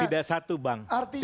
tidak satu bang tidak satu artinya